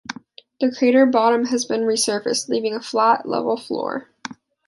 The crater bottom has been resurfaced, leaving a flat, level floor.